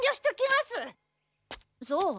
そう。